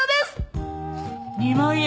２万円？